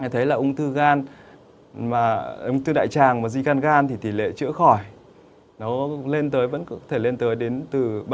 thấy là ung thư đại tràng và di căn gan thì tỷ lệ chữa khỏi vẫn có thể lên tới từ ba mươi bốn mươi